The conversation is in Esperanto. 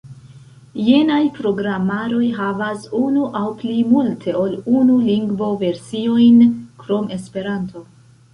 Jenaj programaroj havas unu aŭ plimulte ol unu lingvo-versiojn krom Esperanto.